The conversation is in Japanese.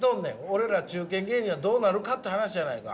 俺ら中堅芸人はどうなるかって話やないか！